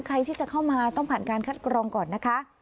ใครที่จะเข้ามาต้องผ่านการคัดกรองก่อนนะคะ